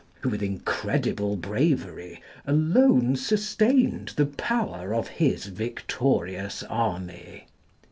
}] who with incredible bravery alone sustained the power of his victorious army.